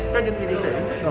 các nhân viên y tế